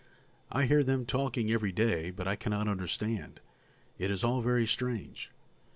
I hear them talking every day, but I cannot understand; it is all very strange."